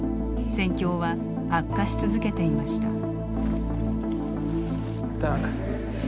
戦況は悪化し続けていました。